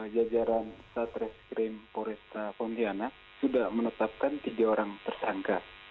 jajaran satreskrim poresta pontianak sudah menetapkan tiga orang tersangka